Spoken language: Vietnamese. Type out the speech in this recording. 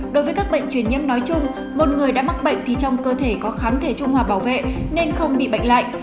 đối với các bệnh truyền nhiễm nói chung một người đã mắc bệnh thì trong cơ thể có kháng thể trung hòa bảo vệ nên không bị bệnh lại